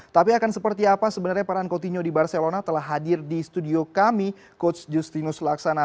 tapi akan seperti apa sebenarnya peran coutinho di barcelona telah hadir di studio kami coach justinus laksana